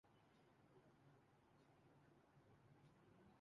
Azores کا وقت